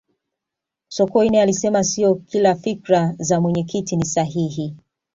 sokoine alisema siyo kila fikra za mwenyekiti ni sahihi